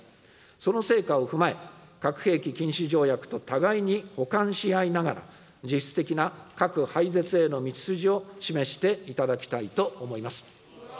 その成果を踏まえ、核兵器禁止条約と互いに補完し合いながら、実質的な核廃絶への道筋を示していただきたいと思います。